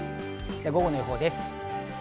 午後の予報です。